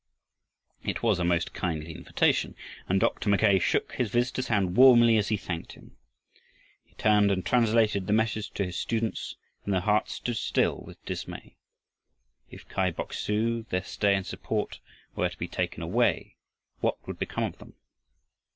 It was a most kindly invitation and Dr. Mackay shook his visitor's hand warmly as he thanked him. He turned and translated the message to his students, and their hearts stood still with dismay. If Kai Bok su, their stay and support, were to be taken away, what would become of them?